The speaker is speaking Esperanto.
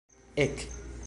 ek